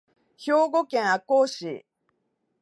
兵庫県赤穂市